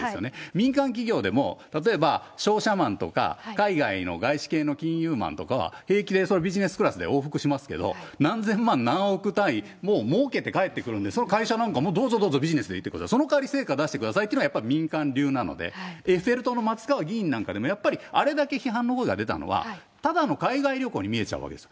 民間企業でも、例えば、商社マンとか、海外の外資系の金融マンとかは、平気でビジネスクラスで往復しますけど、何千万、何億単位、もうけて帰ってくるんで、それは会社なんかも、どうぞどうぞ、ビジネスで行ってくれ、そのかわり成果出してくださいっていうのが民間流なので、エッフェル塔の松川議員なんかも、やっぱりあれだけ批判の声が出たのは、ただの海外旅行に見えちゃうんです。